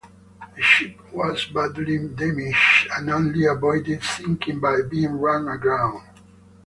The ship was badly damaged and only avoided sinking by being run aground.